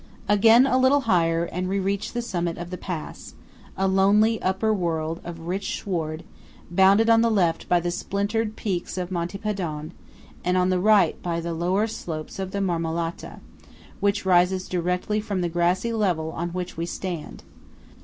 Again a little higher, and we reach the summit of the pass–a lonely upper world of rich sward, bounded on the left by the splintered peaks of Monte Padon, and on the right by the lower slopes of the Marmolata, which rises direct from the grassy level on which we stand.